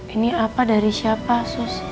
ini apa dari siapa sus